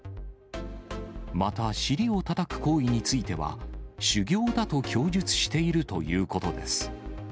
また、尻をたたく行為については、修行だと供述しているということです。